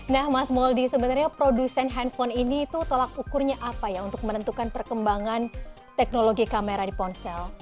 nah mas mouldie sebenarnya produsen handphone ini itu tolak ukurnya apa ya untuk menentukan perkembangan teknologi kamera di ponsel